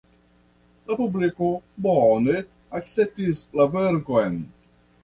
La publiko bone akceptis la verkon.